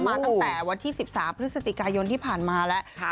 มาตั้งแต่วันที่สิบสามพฤษฎิกายนที่ผ่านมาแล้วค่ะ